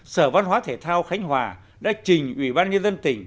sở văn hóa thể thao khánh hòa đã trình ủy ban nhân dân tỉnh